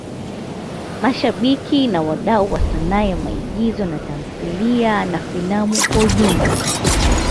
Mashabiki na wadau wa sanaa ya maigizo na tamthilia na filamu kwa ujumla